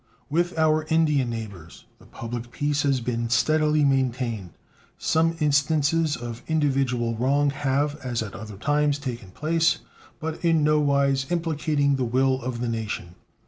With our Indian neighbors the public peace has been steadily maintained. Some instances of individual wrong have, as at other times, taken place, but in no wise implicating the will of the nation.